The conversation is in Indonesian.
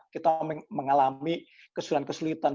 kita mengalami kesulitan kesulitan